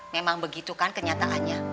memang begitu kan kenyataannya